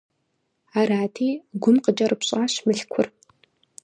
Арати, Гум къыкӀэрыпщӀащ Мылъкур.